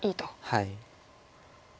はい。